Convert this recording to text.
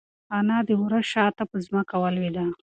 انا د وره شاته په ځمکه ولوېده.